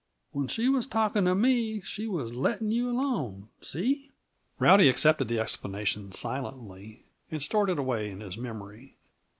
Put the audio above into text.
"When she was talking to me, she was letting you alone see?" Rowdy accepted the explanation silently, and stored it away in his memory.